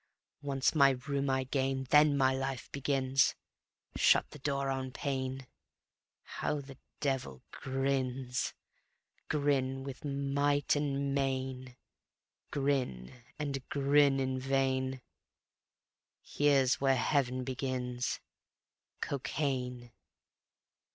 Once my room I gain Then my life begins. Shut the door on pain; How the Devil grins! Grin with might and main; Grin and grin in vain; Here's where Heav'n begins: Cocaine!